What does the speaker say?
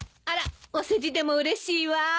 あらお世辞でもうれしいわ。